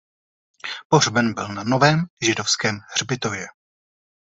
Pohřben byl na novém židovském hřbitově.